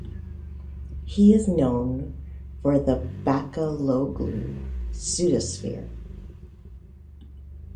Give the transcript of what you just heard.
He is known for the "Bacaloglu pseudosphere".